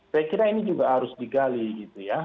saya kira ini juga harus digali gitu ya